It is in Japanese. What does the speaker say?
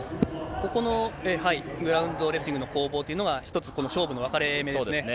ここのグラウンドレスリングの攻防というのが一つこの勝負の分かれ目ですね。